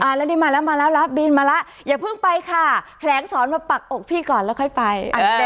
แล้วนี่มาแล้วมาแล้วแล้วบินมาแล้วอย่าเพิ่งไปค่ะแผลงสอนมาปักอกพี่ก่อนแล้วค่อยไป